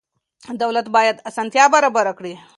دولت باید اسانتیا برابره کړي.